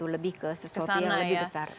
lebih ke sesuatu yang lebih besar